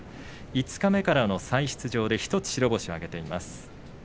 五日目からの再出場で１つ白星を挙げています。